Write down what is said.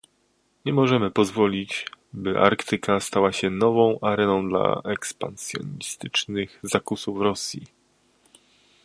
Nie możemy pozwolić, by Arktyka stała się nową areną dla ekspansjonistycznych zakusów Rosji